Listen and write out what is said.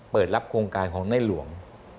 เปิดรับโครงการของในหลวง